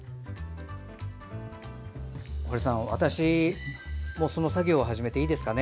堀さん、私その作業を始めていいですか。